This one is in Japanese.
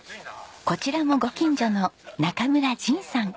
こちらもご近所の中村仁さん。